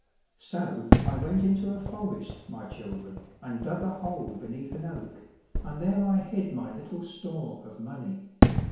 So I went into a forest, my children, and dug a hole beneath an oak, and there I hid my little store of money.